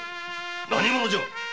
何者じゃ。